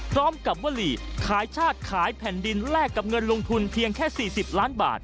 พร้อมกับวลีขายชาติขายแผ่นดินแลกกับเงินลงทุนเพียงแค่๔๐ล้านบาท